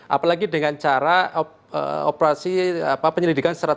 apalagi dengan cara operasi penyelidikan